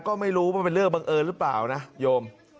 ก็ไม่รู้ว่ามันเป็นเรื่องบังเอิญหรือเปล่านะโยม